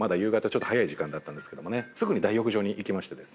ちょっと早い時間だったんですがすぐに大浴場に行きまして。